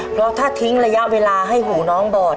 เพราะถ้าทิ้งระยะเวลาให้หูน้องบอด